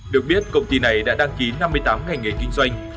được biết công ty này đã đăng ký năm mươi tám ngành nghề kinh doanh